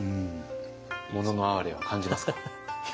「もののあはれ」は感じますか？